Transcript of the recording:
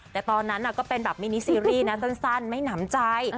แต่ตอนนั้นก็เป็นแบบมินิซีรีส์นะสั้นไม่หนำใจ